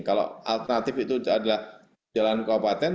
kalau alternatif itu adalah jalan kabupaten